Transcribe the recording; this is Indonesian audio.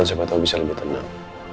siapa tahu bisa lebih tenang